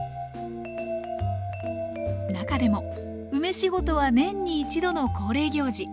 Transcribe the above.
中でも梅仕事は年に一度の恒例行事。